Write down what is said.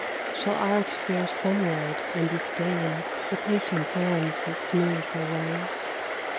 Shall Art fare sunward, and disdain The patient hands that smooth her ways